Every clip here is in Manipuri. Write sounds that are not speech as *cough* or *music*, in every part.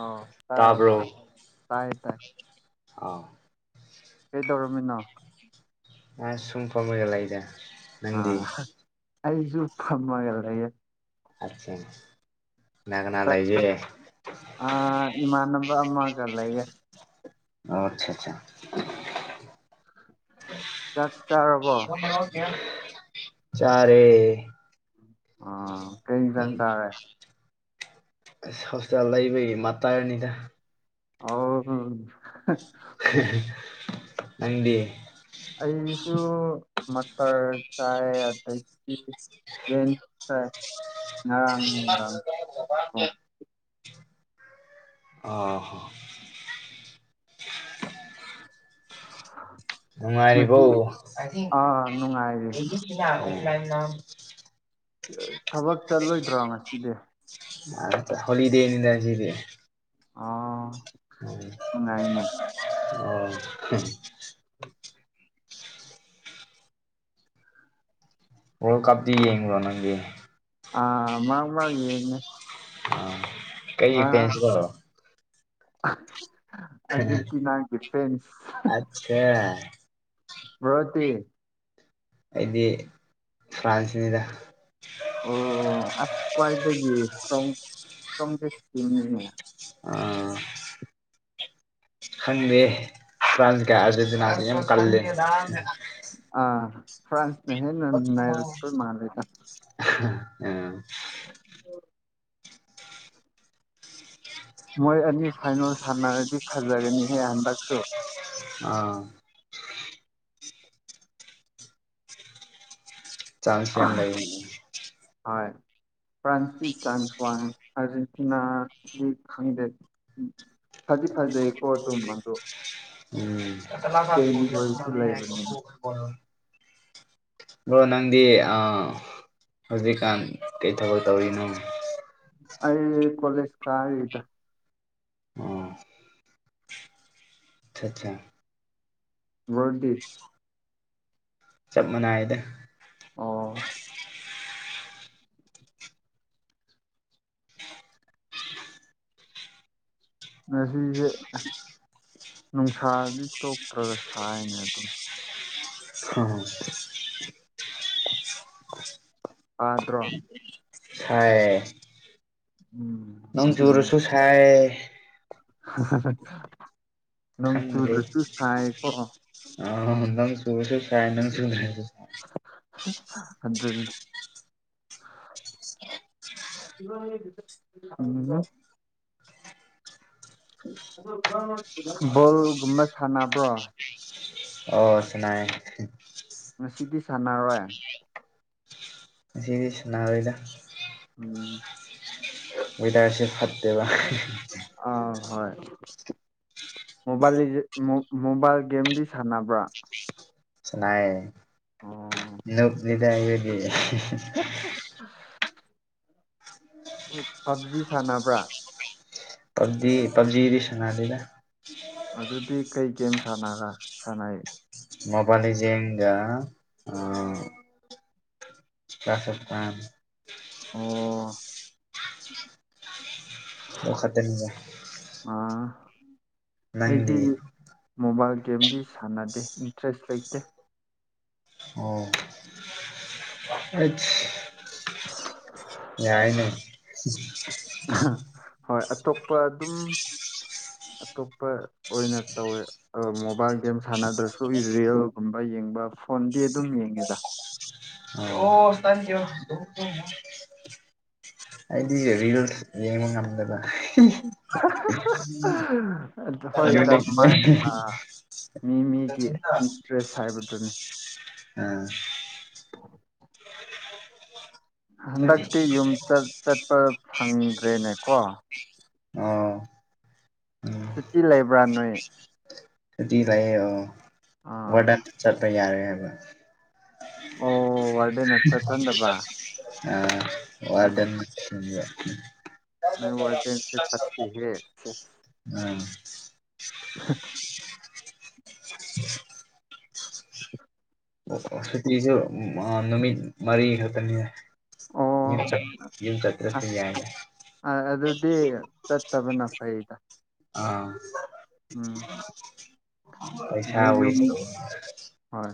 ꯑꯥꯎ ꯇꯥꯏ ꯋꯥ ꯇꯥꯏ ꯇꯥꯏ ꯑꯥꯎ ꯀꯩꯗꯧꯔꯃꯤꯅꯣ ꯑ ꯁꯨꯨꯡ ꯐꯕꯒꯂ ꯏꯗ ꯑ ꯅꯗꯤ ꯑꯩꯁꯨ ꯐꯝꯃꯒꯦ ꯑꯆꯦ ꯏꯃꯥꯟꯅꯕ ꯑꯃꯒ ꯂꯩꯌꯦ ꯑꯣ ꯑꯆꯥ ꯑꯠꯆꯥ ꯆꯥꯛ ꯆꯥꯔꯕꯣ ꯆꯔꯦ ꯑ ꯀꯩ ꯆꯥꯡ ꯆꯥꯔꯦ ꯑ ꯍꯣꯁꯄꯤꯇꯥꯜ ꯂꯩꯕ ꯃꯥ ꯇꯥꯏꯔꯅꯤꯗ ꯑꯥꯎ ꯅꯪꯗꯤ ꯑꯩꯁꯨ ꯃꯜ ꯆꯥꯏ ꯑꯩ ꯥꯏ ꯉꯔ ꯥꯡꯗ ꯑ ꯅꯨꯡꯉꯔꯤ ꯐ ꯉꯁꯤ ꯑꯥ ꯅꯨꯡꯉꯥꯏꯔꯤ ꯊꯕꯛ ꯆꯠꯂꯣꯏꯗ꯭ꯔꯣ ꯉꯁꯤꯗꯤ ꯑ ꯍꯣꯂꯤꯗꯦ ꯍꯗ ꯑ ꯉꯏꯅꯦ ꯎꯝ ꯋꯥꯔꯜ ꯀꯞꯗꯤ ꯌꯦꯡꯉꯣ ꯅꯪꯦ ꯑꯥ ꯃꯥ ꯃꯥ ꯌꯦ ꯀꯔꯤ ꯐꯁꯣ ꯑꯔꯖꯦꯟꯇꯤꯅꯥꯒꯤ ꯐ꯭ꯔꯦꯟꯁ ꯑꯠꯆꯥ ꯁ꯭ꯃꯗꯤ ꯑꯩꯗꯤ ꯐ꯭ꯔꯥꯟꯁꯅꯤꯗ ꯑꯣ ꯑꯁ ꯈ꯭ꯋꯥꯏꯗꯒꯤꯦꯁꯤꯡꯉꯦ ꯑꯥ ꯈꯪꯗꯦ ꯐ꯭ꯔꯥꯟꯁ ꯀ ꯑꯥꯔꯖꯦꯟꯇꯤꯅꯥꯅꯤꯌꯝ ꯀꯜꯂꯦ ꯑ ꯐ꯭ꯔꯥꯟꯁꯅꯦ ꯍꯦ ꯅꯔ ꯃꯥ ꯂꯩꯗ ꯎꯝ ꯃꯣꯏ ꯑꯅꯤ ꯐꯥꯏꯅꯦꯜ ꯁꯥꯟꯅꯔꯗꯤ ꯐꯖꯒꯅꯤꯍꯦ ꯍꯟꯗꯛꯁꯨ ꯑꯥ ꯆꯥꯟꯁ ꯌꯥꯝ ꯂꯩ ꯍꯣꯏ ꯐ꯭ꯔꯥꯟꯁꯁꯤ ꯆꯥꯟꯁ ꯋꯥꯟ ꯑꯔꯖꯦꯟꯇꯤꯅꯥꯒꯤ ꯈꯗ ꯐꯖꯤ ꯐꯖꯩ ꯀꯣ ꯇ ꯃꯗꯨ ꯎꯝ ꯑ ꯂ ꯂꯩꯕꯅꯤꯅ ꯕ꯭ꯔꯣ ꯅꯪꯗꯤ ꯍꯧꯖꯤꯛꯀꯥꯟ ꯀꯩ ꯊꯕꯛ ꯇꯧꯔꯤꯅꯣ ꯑꯩ ꯀꯣꯂꯦꯖ ꯈꯗ ꯑꯆꯥ ꯑꯠꯆꯥ ꯋꯥꯔꯗꯤ ꯆꯞ ꯃꯅꯥꯏꯗ ꯑꯣ ꯁꯦ ꯅꯨꯡꯁꯥꯗꯤ ꯇꯣꯛꯇ꯭ꯔꯒ ꯁꯥꯏꯅꯦ ꯑꯗꯨꯝ ꯁꯥꯏ ꯑꯠꯇ꯭ꯔꯣ ꯍꯥꯏ ꯎꯝ ꯅꯪ ꯌꯨꯔꯁꯨ ꯁꯥꯏ ꯅꯪ ꯈꯪꯗ꯭ꯔꯦ ꯆꯨꯗ꯭ꯔꯨꯁ ꯊꯥꯏ ꯀꯣ ꯇ ꯐꯥꯏꯣ ꯑꯗꯨꯗ ꯎꯝ ꯐꯨꯠꯕꯣꯜꯒꯨꯝꯕ ꯁꯥꯟꯅꯕ꯭ꯔꯣ ꯑꯣ ꯁꯉꯥꯏ ꯉꯗꯤ ꯁꯥꯟꯅꯔꯣꯏ ꯁꯤ ꯁꯅꯥꯔꯣꯏꯗ ꯎꯝ ꯑꯣꯗꯁꯦ ꯐꯗꯇ ꯑꯥ ꯍꯣꯏ ꯃꯣꯕꯥꯏꯜ ꯒꯦꯝꯗꯤ ꯁꯥꯟꯅꯕ꯭ꯔꯥ ꯅꯥ ꯑꯣ ꯅꯨ ꯂꯤꯗꯗꯤ *inaudible* ꯄꯞꯖꯤ ꯁꯥꯟꯅꯕ꯭ꯔꯥ ꯄꯕꯖꯤ ꯄꯕꯖꯤꯤꯗꯤ ꯁꯅꯗꯗ ꯑꯗꯨꯗꯤ ꯀꯩ ꯒꯦꯝ ꯁꯥꯟ ꯁꯥꯟꯅꯩ ꯃꯣꯕꯥꯏꯜ ꯒ ꯑ ꯀꯥꯥꯁꯊꯥꯟ ꯑꯣ ꯑꯣ ꯈꯇꯅꯤ ꯑꯥ ꯑꯩꯗꯤ ꯃꯣꯕꯥꯏꯜ ꯒꯦꯝꯗꯤ ꯁꯥꯟꯅꯗꯦ ꯏꯟꯇꯔꯦꯁ ꯂꯩꯇꯦ ꯑꯣ ꯑꯩ ꯌꯥꯏꯅꯦ ꯍꯣꯏ ꯑꯇꯣꯞꯄ ꯑꯗꯨꯝ ꯑꯇꯣꯞꯄ ꯑꯣꯏꯅ ꯇꯧꯋꯦ ꯃꯣꯕꯥꯏꯜ ꯒꯦꯝ ꯁꯥꯟꯅꯗ꯭ꯔꯁꯨ ꯔꯤꯌꯦꯜꯒꯨꯝꯕ ꯌꯦꯡꯕ ꯐꯣꯟꯗꯤ ꯑꯗꯨꯝ ꯌꯦꯡꯉꯦꯗ ꯑꯣ ꯊꯦꯡꯀꯤꯌꯨ ꯑꯩꯗꯤ ꯔꯤꯜꯁ ꯌꯦꯡꯕ ꯉꯝꯗꯕ ꯍꯣꯏꯗ ꯃꯥꯏ ꯃꯤ ꯃꯤꯒꯤ ꯏꯟꯇꯔꯦꯁ ꯍꯥꯏꯕꯗꯨꯅꯤ *inaudible* ꯑꯝ ꯍꯟꯗꯛꯇꯤ ꯌꯨꯝ ꯆꯠꯄ ꯐꯪꯗ꯭ꯔꯦꯅꯦꯀꯣ ꯑꯥ ꯁꯨꯇꯤ ꯂꯩꯕ꯭ꯔꯥ ꯅꯣꯏ ꯁꯨꯇꯤ ꯂꯌꯦꯦ ꯑꯣ ꯑꯥ ꯋꯥꯔꯗꯟ ꯆꯠꯄ ꯌꯥꯔꯦ ꯍꯥꯏꯕ ꯑꯣ ꯋꯥꯔꯗꯦꯟꯅ ꯆꯠꯍꯟꯗꯕ ꯑ ꯑꯁ ꯋꯥꯔꯗꯟ ꯅꯣꯏ ꯋꯥꯔꯗꯦꯟꯁꯦ ꯐꯠꯇꯦꯍꯦ ꯎꯝ ꯑ ꯎ ꯑꯣ ꯁꯨꯇꯤꯁꯨ ꯅꯨꯃꯤꯠ ꯃꯔꯤ ꯈꯛꯇꯅꯤꯅꯦ ꯑꯣ ꯆ ꯌꯦ ꯆꯀ꯭ꯔꯁ ꯌꯥ ꯑꯩ ꯇ ꯑꯥ ꯎꯝ ꯄꯩꯁꯥ ꯌ ꯋꯦꯁ ꯇꯧꯕ ꯍꯣꯏ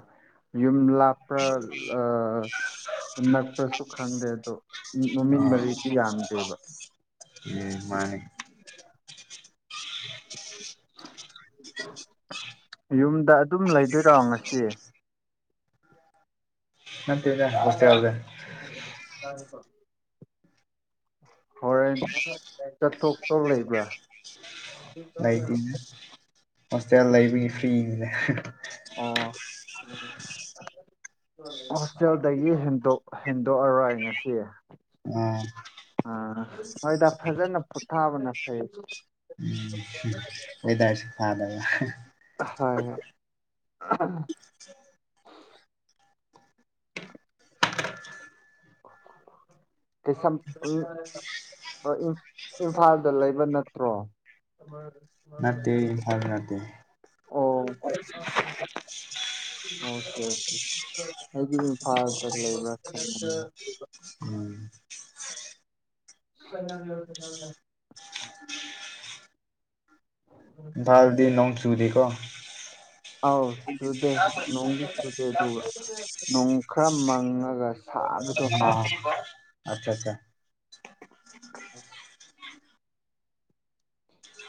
ꯌꯨꯝ ꯂꯥꯞꯄ꯭ꯔꯥ ꯑ ꯅꯛꯄ꯭ꯔꯁꯨ ꯈꯪꯗꯦ ꯑꯗꯣ ꯅꯨꯃꯤꯠ ꯑꯥ ꯃꯔꯤꯁꯤ ꯌꯥꯝꯗꯦꯕ ꯎꯝ ꯃꯥꯅꯦ *inaudible* ꯌꯨꯝꯗ ꯑꯗꯨꯝ ꯂꯩꯗꯣꯏꯔꯣ ꯉꯁꯤ ꯅ ꯇ ꯁꯦ ꯌꯥꯎꯗꯦ ꯀꯄꯣ ꯎ ꯆꯠꯊꯣꯛꯇ ꯂꯩꯕ꯭ꯔꯥ ꯂꯩꯇꯅꯦ ꯍꯣꯁꯇꯦꯜ ꯂꯩꯕꯒꯤ ꯐ꯭ꯔꯤꯅꯤꯅꯦ ꯑꯣ *inaudible* ꯍꯣꯁꯇꯦꯜꯗꯒꯤ ꯍꯦꯟꯗꯣꯛꯑꯔꯣꯏ ꯉꯁꯤ ꯎꯝ ꯑ ꯍꯣꯏꯗ ꯐꯖꯅ ꯄꯣꯊꯥꯕꯅ ꯐꯩ ꯏꯗꯔꯁꯤ ꯊꯥꯗ ꯌꯥ ꯍꯣꯏ ꯍꯣꯏ ꯎ ꯀ ꯁꯝ ꯎꯝ ꯏꯝꯐꯥꯜꯗ ꯂꯩꯕ ꯅꯠꯇ꯭ꯔꯣ ꯅꯅꯥꯇꯦ ꯐꯜ ꯅꯅꯥꯇꯦ ꯑꯣ ꯑꯣꯀꯦ ꯑꯣꯀꯦꯗꯤ ꯐꯔ ꯐ ꯂꯩ ꯎꯝ ꯐꯅ ꯌꯥ ꯌꯥ ꯜꯗꯦ ꯅꯣꯡꯆꯨꯗ ꯀꯧꯕ ꯑꯥꯎ ꯆꯨꯗꯦ ꯅꯣꯡꯗꯤ ꯆꯨꯗꯦ ꯑꯗꯨꯒꯨꯕ ꯅꯣꯡ ꯈꯔ ꯃꯪꯉꯒ ꯁꯥꯕꯗꯣ ꯑꯆꯥ ꯑꯠꯆꯥ ꯎꯝ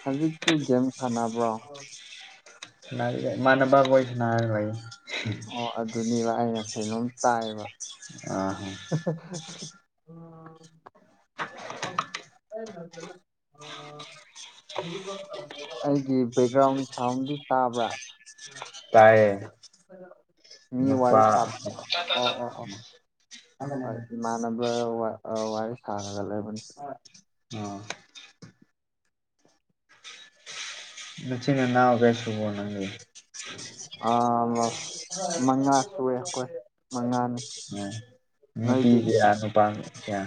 ꯍꯧꯖꯤꯛꯁꯨ ꯒꯦꯝ ꯁꯥꯟꯅꯕ꯭ꯔꯣ ꯃꯅꯦꯕ ꯀꯣꯏꯁꯅ ꯑꯣ ꯑꯗꯨꯅꯦꯕ ꯑꯩꯅ ꯀꯩꯅꯣꯝ ꯇꯥꯏꯕ ꯑꯥ *unintelligible* ꯎꯝ ꯑ ꯑꯩꯒꯤ ꯕꯦꯛꯒ꯭ꯔꯥꯎꯟ ꯁꯥꯎꯟꯗꯤ ꯇꯥꯕ꯭ꯔꯥ ꯇꯥꯏꯌꯦ ꯃꯤ ꯋꯥꯔꯤ ꯅꯨꯄꯥꯄꯥ ꯁꯥꯕꯗꯣ ꯑꯣ ꯑꯣ ꯑꯣ ꯍꯣꯏ ꯏꯃꯥꯟꯅꯕ ꯋꯥꯔꯤ ꯁꯥꯔꯒ ꯂꯩꯕꯅꯤ ꯃꯆꯤꯅꯦ ꯅꯥꯎ ꯀꯦꯁꯕ ꯅꯪꯗꯤ ꯑ ꯃꯉꯥ ꯁꯨꯑꯦ ꯑꯩꯈꯣꯏ ꯃꯉꯥ ꯎ ꯅꯨꯄꯤ ꯀꯌꯥ ꯅꯨꯄꯥ ꯀꯌꯥ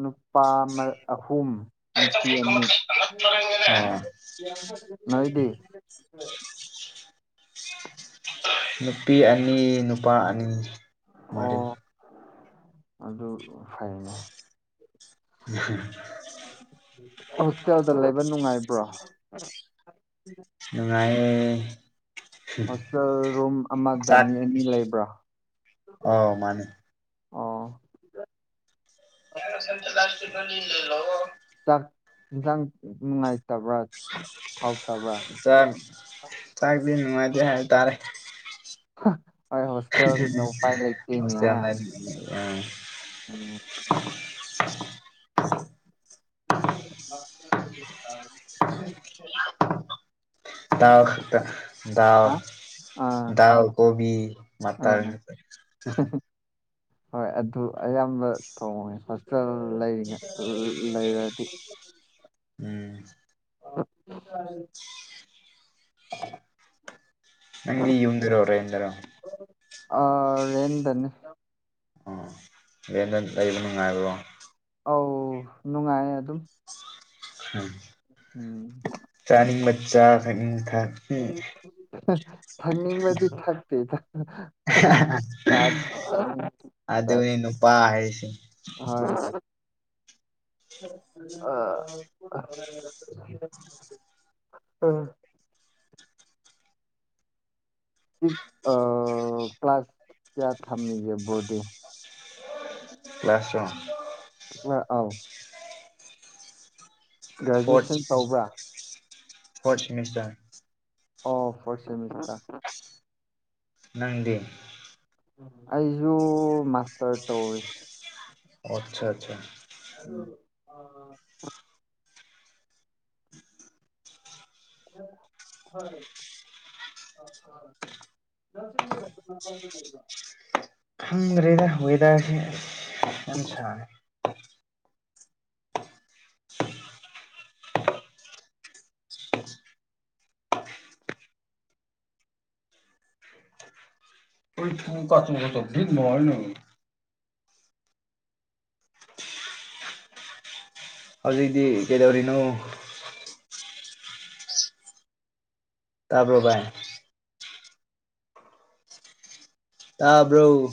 ꯅꯨꯄꯥ ꯑꯍꯨꯝ ꯅꯨꯄꯤ ꯑꯅꯤ ꯑꯣ ꯅꯏꯗꯤ ꯅꯨꯄꯤ ꯑꯅꯤ ꯅꯨꯄꯥ ꯑꯅꯤ ꯃꯔꯤ ꯑꯣ ꯑꯗꯨ ꯐꯥꯏꯅꯦ ꯎꯝ ꯍꯣꯁꯇꯦꯜꯗ ꯂꯩꯕ ꯅꯨꯡꯉꯥꯏꯕ꯭ꯔꯣ ꯑꯗꯨꯉꯥꯏ ꯍꯣꯁꯇꯦꯜ ꯔꯨꯝ ꯑꯃꯗ ꯆꯥꯛ ꯃꯤ ꯑꯅꯤ ꯂꯩꯕ꯭ꯔꯥ ꯑꯧ ꯃꯥꯅꯤ ꯑꯥ ꯁꯦꯟꯇꯦꯜ ꯂꯁꯄꯤꯅꯤ ꯏꯜꯂꯣ ꯆꯥꯛ ꯌꯦꯟꯁꯥꯡ ꯅꯨꯡꯉꯥꯏꯇꯕ꯭ꯔꯥ ꯐꯥꯎꯇꯕ꯭ꯔꯥ ꯅꯅꯨꯡꯉꯥꯏꯗ ꯍꯥꯏ ꯇꯥꯔꯦ ꯍꯣꯏ ꯍꯁꯇꯦꯜꯅꯤꯅ ꯎꯄꯥꯏ ꯂꯩ ꯏꯇꯦꯅꯌꯥ ꯑꯝ ꯎꯝ *inaudible* ꯑꯗꯨ ꯇꯥ ꯗꯎ ꯍꯥ ꯑꯥ ꯗꯗꯥꯎ ꯀꯣꯕꯤ ꯑꯥ ꯃꯇꯔ ꯍꯣꯏ ꯑꯗꯨ ꯑꯌꯥꯝꯕ ꯊꯣꯡꯉꯦ ꯍꯣꯁꯇꯦꯜ ꯂꯩꯔꯤꯉ ꯂꯩꯔꯗꯤ ꯎꯝ ꯁꯨ ꯍꯥꯏ ꯅꯪ ꯌꯗꯔꯣꯔꯦꯦꯟꯟꯗꯔꯥ ꯑꯦꯟꯟ ꯇꯅꯤ ꯑ ꯌꯦꯅ ꯂꯩꯩꯅꯅꯤꯡ ꯉꯥꯏꯣ ꯑꯧ ꯅꯨꯡꯉꯥꯏꯌꯦ ꯑꯗꯨꯝ ꯎꯝ ꯎꯝ ꯆ ꯈ ꯊ ꯊꯪꯅꯤꯡꯕꯗꯤ ꯊꯥꯛꯇꯦꯗ ꯑꯗ ꯎꯅꯤ ꯅꯨꯄꯥ ꯍꯥꯏ ꯁꯤ ꯑꯥ ꯑꯥ ꯀ꯭ꯂ꯭ꯂꯥꯁ ꯀꯌꯥ ꯊꯝꯃꯤꯒꯦ ꯣꯔꯗꯤꯗꯤ ꯄꯁꯝ ꯑ ꯑꯥꯎ ꯐ ꯒ꯭ꯔꯦꯖꯨꯑꯦꯁꯟ ꯇꯧꯕ꯭ꯔꯥ ꯐꯣꯔ ꯁꯦꯃꯤꯁꯇꯔ ꯑꯣ ꯐꯔꯁꯦꯃꯤꯁꯥ ꯅꯪꯗꯤꯦ ꯑꯩꯁꯨ ꯃꯥꯁꯇꯔ ꯇꯧꯋꯔꯤ ꯑꯆꯥ ꯑꯠꯆꯥ *inaudible* ꯍꯣꯏ il....... ꯍꯪ꯭ꯔꯦꯗ ꯍꯋꯗ ꯀꯆ ꯆꯚꯗ ꯅꯉꯣꯏꯅꯣꯏ ꯍꯧꯖꯤꯛꯇꯤ ꯀꯩꯗꯧꯔꯤꯅꯣ ꯇꯥꯔꯕ꯭ꯔꯕꯥ ꯇꯥꯕ꯭ꯔꯧ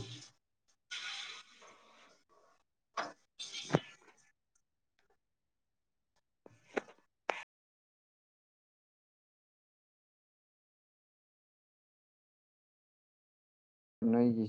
ꯅꯒꯤ